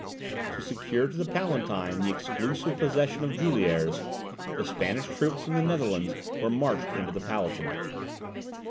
To secure to the Palatine the exclusive possession of Juliers, the Spanish troops from the Netherlands were marched into the Palatinate.